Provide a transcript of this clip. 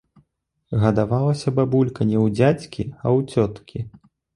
Гадавалася бабулька не ў дзядзькі, а ў цёткі.